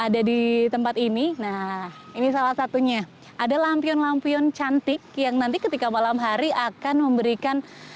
ada di tempat ini nah ini salah satunya ada lampion lampion cantik yang nanti ketika malam hari akan memberikan